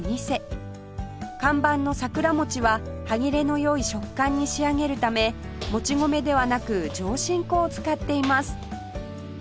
看板のさくら餅は歯切れの良い食感に仕上げるためもち米ではなく上新粉を使っています